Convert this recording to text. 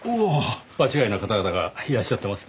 場違いな方々がいらっしゃってますね。